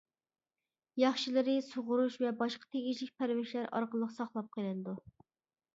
ياخشىلىرى سۇغۇرۇش ۋە باشقا تېگىشلىك پەرۋىشلەر ئارقىلىق ساقلاپ قېلىنىدۇ.